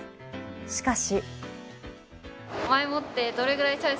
しかし。